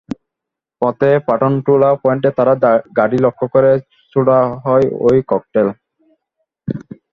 পথে পাঠানটুলা পয়েন্টে তাঁর গাড়ি লক্ষ্য করে ছোড়া হয় ওই ককটেল।